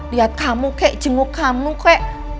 lihat kamu kek jenguk kamu kek